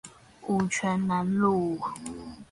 五權南路